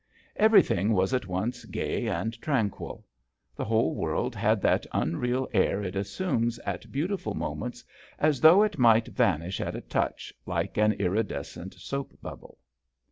Every thing was at once gay and tran quil. The whole world had that unreal air it assumes at beautiful moments, as though it might vanish at a touch like an iri descent soap bubble.